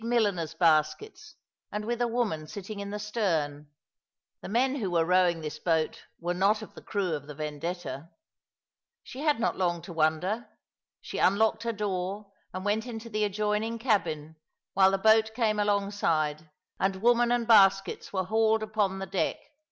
^^ 315 milliner's baskets, and with a woman sitting in tlio stem. The men who woro rowing this boat were not of the crew of the Vendetta. She had not long to wonder. She "unlocked her door, and went into the adjoining cabin, while the boat came alongside, and woman and baskets were hauled upon the deck.